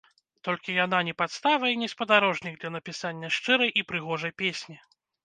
Толькі яна не падстава, і не спадарожнік для напісання шчырай і прыгожай песні.